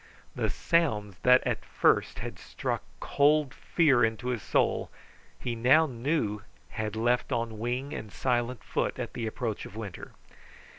The sounds that at first had struck cold fear into his soul he now knew had left on wing and silent foot at the approach of winter.